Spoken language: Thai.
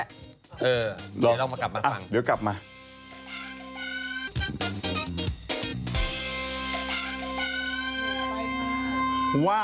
เออเดี๋ยวลองมาฟังซักอย่างอ๋อเดี๋ยวกลับมา